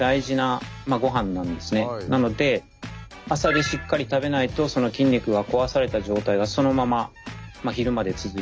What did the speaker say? なので朝でしっかり食べないとその筋肉が壊された状態がそのまま昼まで続いちゃったりするっていうことが一つ。